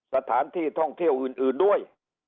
สถานที่ท่องเที่ยวอื่นด้วย